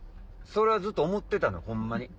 それはずっと思ってたのホンマに。